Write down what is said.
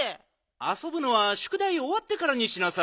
あそぶのはしゅくだいおわってからにしなさい。